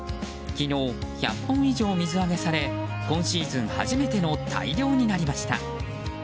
昨日１００本以上水揚げされ今シーズン初めての大漁になりました。